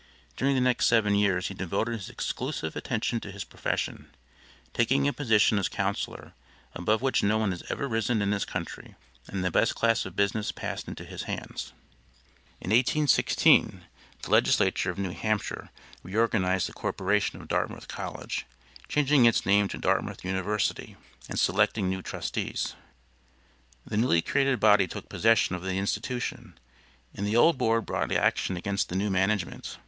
During the next seven years he devoted his exclusive attention to his profession, taking a position as counsellor, above which no one has ever risen in this country, and the best class of business passed into his hands. In 1816 the legislature of New Hampshire reorganized the corporation of Dartmouth College, changing its name to Dartmouth University, and selecting new trustees. The newly created body took possession of the institution, and the old board brought action against the new management.